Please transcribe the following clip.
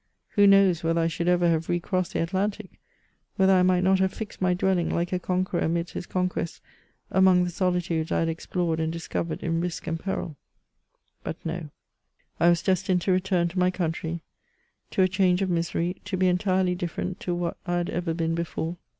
Who knows whether I should ever have re crossed the Atlantic, whether I might not have fixed my dwellinof, like a conqueror amidst his conquests, among the solitudes I had explored and discovered in risk and peril! But, no I I was destined to return to my country, to a change of misery — to be entirely different to what I had ever been before.